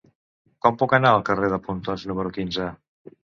Com puc anar al carrer de Pontons número quinze?